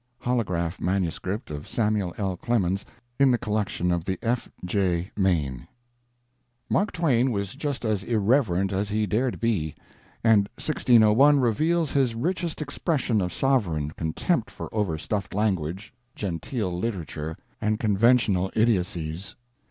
[Holograph manuscript of Samuel L. Clemens, in the collection of the F. J. Meine] Mark Twain was just as irreverent as he dared be, and 1601 reveals his richest expression of sovereign contempt for overstuffed language, genteel literature, and conventional idiocies.